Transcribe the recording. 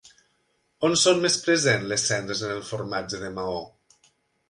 On són més present les cendres en el formatge de Maó?